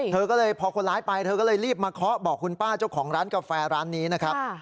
เธอก็เลยพอคนร้ายไปเธอก็เลยรีบมาเคาะบอกคุณป้าเจ้าของร้านกาแฟร้านนี้นะครับ